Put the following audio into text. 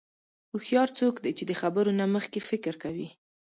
هوښیار څوک دی چې د خبرو نه مخکې فکر کوي.